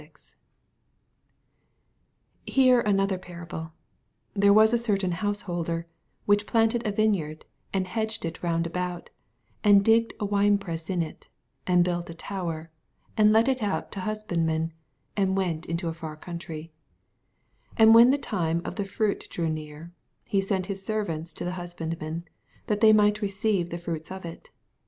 88 Hear another parable : There was a certain householder, which planted a vineyard, and hedged it round about, and digged a winepress in it, and built a tower, and let it out to husbandmen, and went into a far country : 84 And when the time of the fruit drew near, he sent his servants to the husbandmen^ that they might receive' the fruits of it.